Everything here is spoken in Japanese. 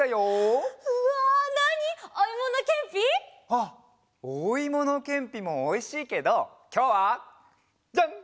あっおいものけんぴもおいしいけどきょうはジャン！